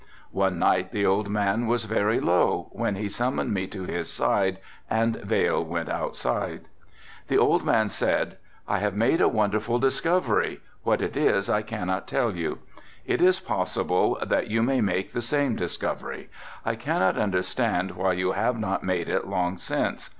One night the old man was very low, when he summoned me to his side and Vail went outside. The old man said, "I have made a wonderful discovery, what it is I cannot tell you. It is possible that you may make the same discovery, I cannot understand why you have not made it long since.